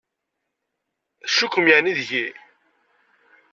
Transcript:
Tcukkem yeɛni deg-i?